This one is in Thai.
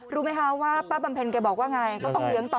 รู้ไหมค่ะว่าป๊าบำเพ็ญแกบอกว่าไง